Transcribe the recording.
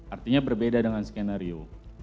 artinya berbeda dengan skenario